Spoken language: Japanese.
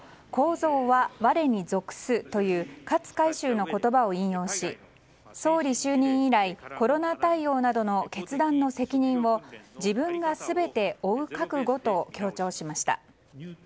「行蔵は我に存す」という勝海舟の言葉を引用し総理就任以来コロナ対応などの決断の責任を自分が全て負う覚悟と強調しました。